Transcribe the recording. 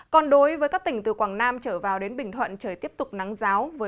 còn đối với các tỉnh từ quảng nam trở vào đến bình thuận trời tiếp tục nắng giáo